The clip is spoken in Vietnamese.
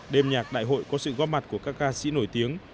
đêm nhạc đại hội có sự góp mặt của các ca sĩ nổi tiếng